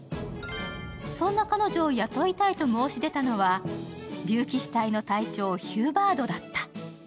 そんな彼女を雇いたいと申し出たのは竜騎士隊の隊長ヒューバードだった。